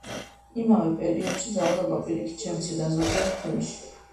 იმავე პერიოდში ძალადობა პირიქით, შემცირდა ზოგიერთ ფილმში.